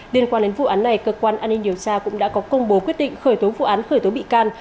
liên quan đến vụ án này cơ quan an ninh điều tra cũng đã có công bố quyết định khởi tố vụ án khởi tố bị can